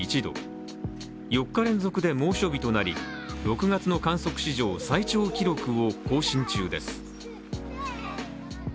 ４日連続で猛暑日となり６月の観測史上最長記録を更新中です。